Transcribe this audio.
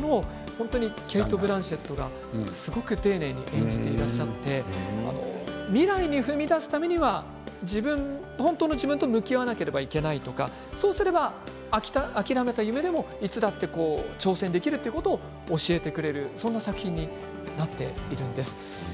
本当にケイト・ブランシェットがすごく丁寧に演じていらっしゃって未来に踏み出すためには本当の自分と向き合わなければいけないとかそうすれば諦めた夢でもいつだって挑戦できるということを教えてくれるそんな作品になっているんです。